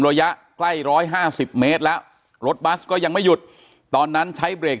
ระยะใกล้๑๕๐เมตรแล้วรถบัสก็ยังไม่หยุดตอนนั้นใช้เบรก